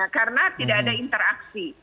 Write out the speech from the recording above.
karena tidak ada interaksi